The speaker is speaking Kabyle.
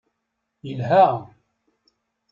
Yelha!